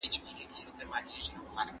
چې يوه ورځ به راشي.